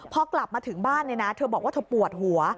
พอกลับมาถึงบ้านเธอบอกว่าเธอปวดหัว